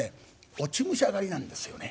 落ち武者狩りなんですよね。